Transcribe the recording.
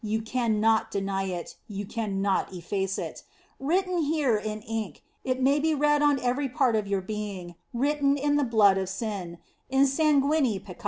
You can not deny it; you cannot efface it. Written here with ink, it may be read on every part of your being, written with the blood of sin, in sanguine peccati.